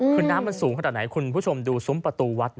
คือน้ำมันสูงขนาดไหนคุณผู้ชมดูซุ้มประตูวัด